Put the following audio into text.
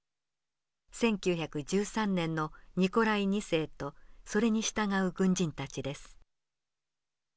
１９１３年のニコライ２世とそれに従う軍人たちです。